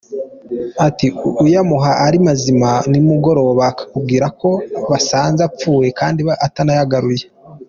Ati, « uyamuha ari mazima, nimugoroba akakubwira ko basanze apfuye, kandi atanayagaruye.